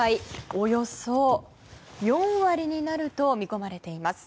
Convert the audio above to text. およそ４割になると見込まれています。